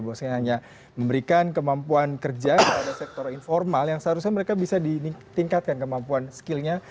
bahwa saya hanya memberikan kemampuan kerja pada sektor informal yang seharusnya mereka bisa ditingkatkan kemampuan skillnya